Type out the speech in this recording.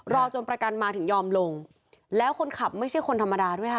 รอจนประกันมาถึงยอมลงแล้วคนขับไม่ใช่คนธรรมดาด้วยค่ะ